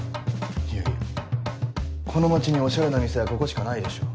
いやいやこの街におしゃれな店はここしかないでしょ。